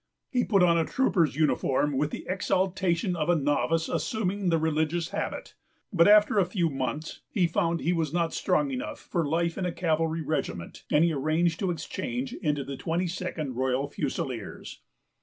He put on a trooper's uniform with the exaltation of a novice assuming the religious habit. But after a few months he found that he was not strong enough for life in a cavalry regiment and he arranged to exchange into the 22nd Royal Fusiliers.